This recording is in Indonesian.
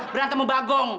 berantem mau bagong